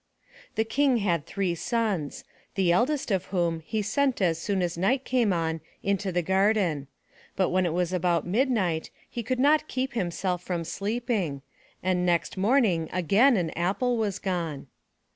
The King had three sons, the eldest of whom he sent as soon as night came on, into the garden; but when it was about mid night he could not keep himself from sleeping, and next morning again an apple was gone.